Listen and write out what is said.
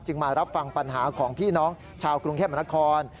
มารับฟังปัญหาของพี่น้องชาวกรุงเทพมนาคม